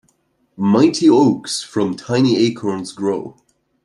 Mighty oaks from tiny acorns grow.